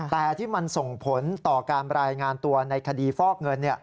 แต่ที่มันส่งผลต่อการรายงานตัวในคดีฟอกเงิน